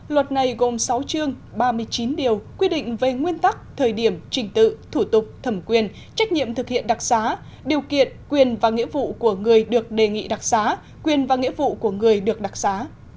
luật này gồm sáu chương ba mươi chín điều quy định về nguyên tắc thời điểm trình tự thủ tục thẩm quyền trách nhiệm thực hiện đặc xá điều kiện quyền và nghĩa vụ của người được đề nghị đặc xá quyền và nghĩa vụ của người được đặc xá